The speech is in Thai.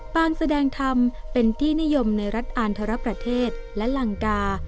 แสดงธรรมเป็นที่นิยมในรัฐอานทรประเทศและลังกา